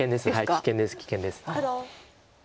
危険です危険です。